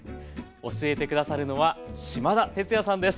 教えて下さるのは島田哲也さんです。